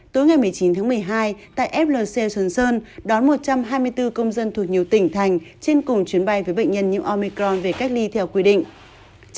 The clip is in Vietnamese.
tối ngày một mươi chín tháng một mươi hai tại flc xuân sơn đón một trăm hai mươi bốn công dân thuộc nhiều tỉnh thành trên cùng chuyến bay với bệnh nhân những omicron về cách ly theo quy định